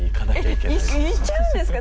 えっ行っちゃうんですか